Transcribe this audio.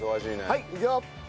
はいいくよ。